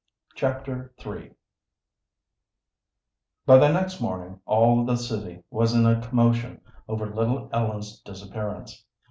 Chapter III By the next morning all the city was in a commotion over little Ellen's disappearance.